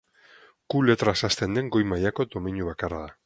Ku letraz hasten den goi mailako domeinu bakarra da.